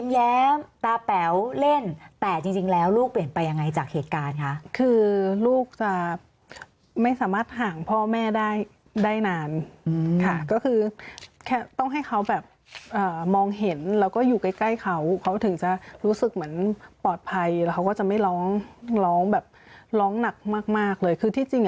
ห่างพ่อแม่ได้ได้นานค่ะก็คือแค่ต้องให้เขาแบบมองเห็นแล้วก็อยู่ใกล้เขาเขาถึงจะรู้สึกเหมือนปลอดภัยแล้วเขาก็จะไม่ร้องร้องแบบร้องหนักมากเลยคือที่จริง